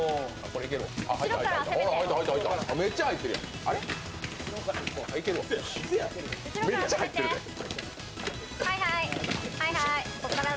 めっちゃ入ってるで。